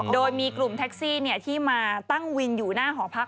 โดยมีกลุ่มแท็กซี่ที่มาตั้งวินอยู่หน้าหอพัก